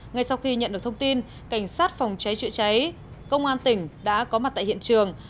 ngay sau khi nhận được thông tin cảnh sát phòng cháy chữa cháy công an tỉnh đã có mặt tại hiện trường